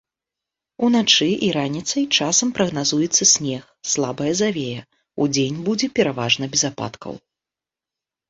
Уначы і раніцай часам прагназуецца снег, слабая завея, удзень будзе пераважна без ападкаў.